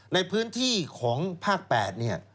ในพื้นที่ของภาค๘เนี่ย